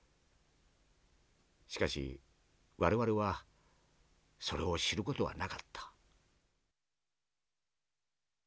しかし我々はそれを知る事はなかった」。